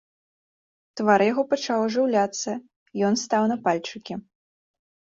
Твар яго пачаў ажыўляцца, ён стаў на пальчыкі.